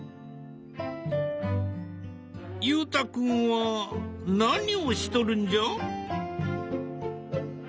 裕太君は何をしとるんじゃ？